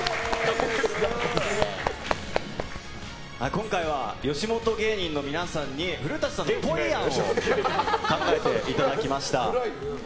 今回は、吉本芸人の皆さんに古舘さんのぽい案を考えていただきました。